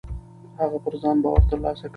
هغه پر ځان باور ترلاسه کړ.